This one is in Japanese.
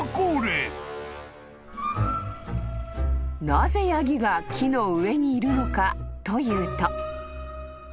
［なぜヤギが木の上にいるのかというと］